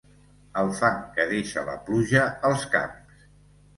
El fang que deixa la pluja als camps.